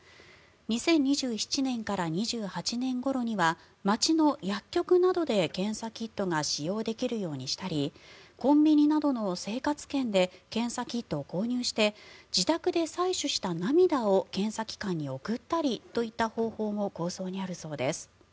２０２７年から２８年ごろには街の薬局などで検査キットを使用できるようにしたりコンビニなどの生活圏で検査キットを購入して自宅で採取した涙を検査機関に送ったりといった方法も構想にあるそうです。